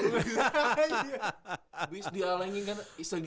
habis dialangi kan